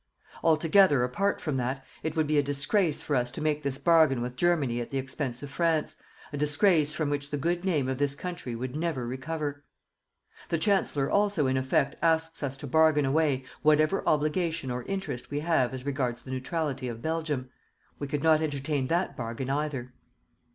Altogether, apart from that, it would be a disgrace for us to make this bargain with Germany at the expense of France, a disgrace from which the good name of this country would never recover. The Chancellor also in effect asks us to bargain away whatever obligation or interest we have as regards the neutrality of Belgium. We could not entertain that bargain either.